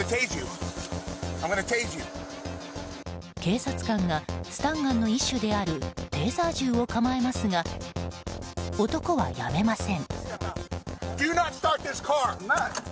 警察官がスタンガンの一種であるテーザー銃を構えますが男はやめません。